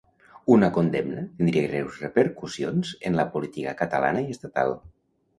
Una condemna tindria greus repercussions en la política catalana i estatal.